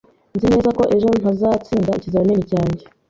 Nzi neza ko ejo ntazatsinda ikizamini cyanjye.